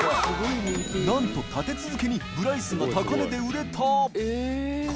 磴覆鵑立て続けにブライスが高値で売れた磴